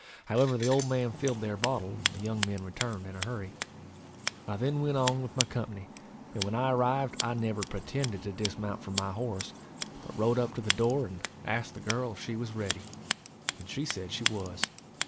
However the old man filled their bottle, and the young men returned in a hurry. I then went on with my company, and when I arrived I never pretended to dismount from my horse, but rode up to the door, and asked the girl if she was ready; and she said she was.